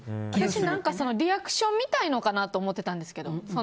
私リアクション見たいのかなって思ってたんですけど。